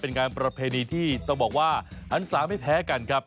เป็นงานประเพณีที่ต้องบอกว่าหันศาไม่แพ้กันครับ